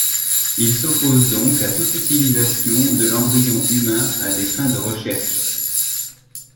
Il s'oppose donc à toute utilisation de l'embryon humain à des fins de recherche.